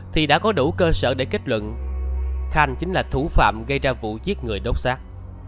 thì đã có đủ cơ sở để kết luận khanh chính là thủ phạm gây ra vụ giết người đốt xác